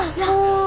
hah manas ridvat